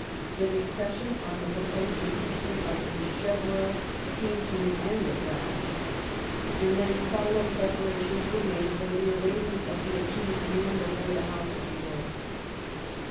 The discussion on the proposed impeachment of Sacheverell came to an end at last, and then solemn preparations were made for the arraignment of the accused man before the House of Lords.